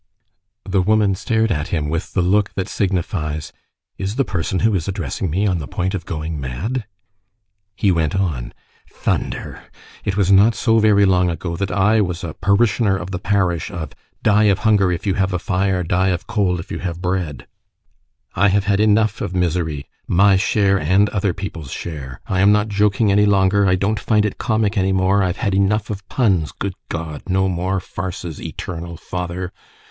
The woman stared at him with the look that signifies: "Is the person who is addressing me on the point of going mad?" He went on:— "Thunder! It was not so very long ago that I was a parishioner of the parish of die of hunger if you have a fire, die of cold if you have bread! I have had enough of misery! my share and other people's share! I am not joking any longer, I don't find it comic any more, I've had enough of puns, good God! no more farces, Eternal Father!